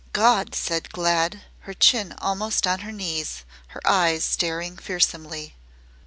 "Gawd!" said Glad, her chin almost on her knees, her eyes staring fearsomely.